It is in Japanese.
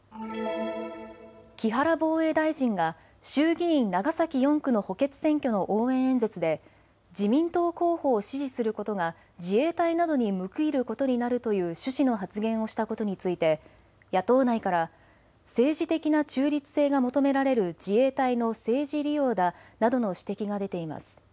木原防衛大臣が衆議院長崎４区の補欠選挙の応援演説で自民党候補を支持することが自衛隊などに報いることになるという趣旨の発言をしたことについて野党内からは政治的な中立性が求められる自衛隊の政治利用だなどの指摘が出ています。